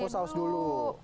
saus ini dulu